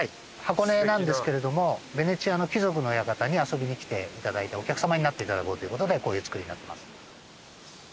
箱根なんですけれどもベネチアの貴族の館に遊びに来ていただいたお客さまになっていただこうということでこういう造りになってます。